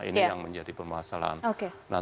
ini yang menjadi permasalahan